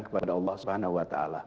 kepada allah swt